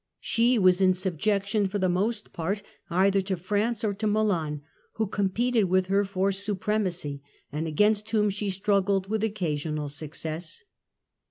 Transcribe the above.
She was in subjection for the most part, either to France or to Milan, who competed with her for supremacy, and against whom she struggled with occasional success.